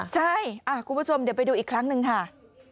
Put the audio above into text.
ใช่คุณผู้ชมเดี๋ยวไปดูอีกครั้งหนึ่งค่ะ